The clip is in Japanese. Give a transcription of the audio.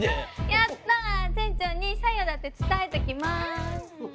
やった店長に採用だって伝えときます。